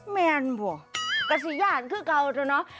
แมนผัวกสีย่านคือเก่าเถอะเนอะ